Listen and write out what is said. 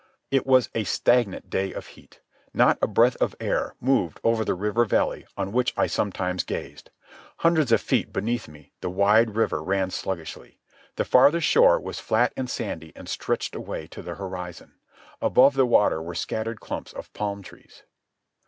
It was a stagnant day of heat. Not a breath of air moved over the river valley on which I sometimes gazed. Hundreds of feet beneath me the wide river ran sluggishly. The farther shore was flat and sandy and stretched away to the horizon. Above the water were scattered clumps of palm trees.